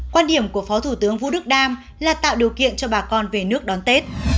quan điểm của phó thủ tướng vũ đức đam là tạo điều kiện cho bà con về nước đón tết